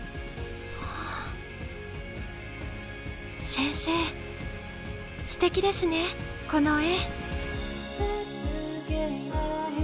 先生すてきですねこの絵。